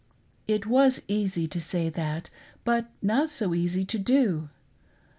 It was easy to say that, but not so easy to do.